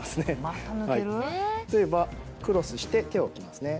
クロスして手を置きますね。